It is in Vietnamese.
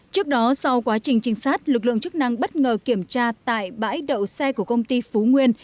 trước đó sau quá trình trinh sát lực lượng chức năng bất ngờ kiểm tra tại bãi đậu xe của công ty phú nguyên